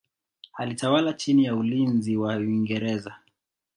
Alitawala chini ya ulinzi wa Uingereza.